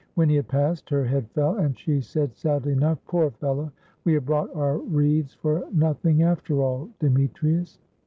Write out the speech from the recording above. When he had passed, her head fell, and she said sadly enough: ''Poor fellow! — We have brought our wreaths for nothing, after all, Demetrius!"